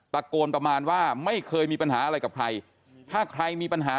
ประมาณว่าไม่เคยมีปัญหาอะไรกับใครถ้าใครมีปัญหา